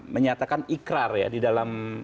menyatakan ikrar ya di dalam